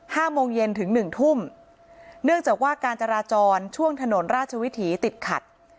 โมงเย็นถึงหนึ่งทุ่มเนื่องจากว่าการจราจรช่วงถนนราชวิถีติดขัด